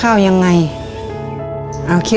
โรค